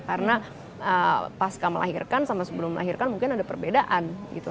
karena pasca melahirkan sama sebelum melahirkan mungkin ada perbedaan gitu